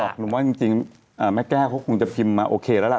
หนุ่มว่าจริงแม่แก้วเขาคงจะพิมพ์มาโอเคแล้วล่ะ